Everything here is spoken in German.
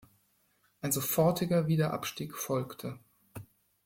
Ein sofortiger Wiederabstieg folgte.